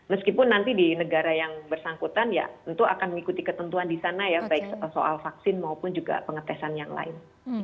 meskipun nanti di negara yang bersangkutan ya tentu akan mengikuti ketentuan di sana ya baik soal vaksin maupun juga pengetesan yang lain